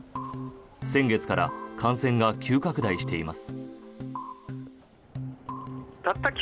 先月から感染が急拡大しています。